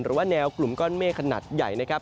หรือว่าแนวกลุ่มก้อนเมฆขนาดใหญ่นะครับ